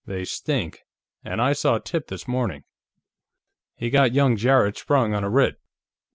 They stink. And I saw Tip this morning. He got young Jarrett sprung on a writ."